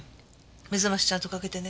目覚ましちゃんとかけてね。